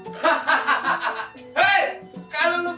hei kalau lo tau yang namanya rawa lo pasti tau kami semangat